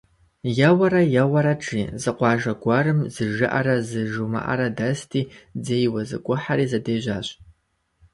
Еуэрэ-еуэрэт, жи, зы къуажэ гуэрым зы Жыӏэрэ зы Жумыӏэрэ дэсти, дзейуэ зэгухьэри, зэдежьащ.